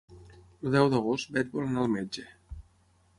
El deu d'agost na Bet vol anar al metge.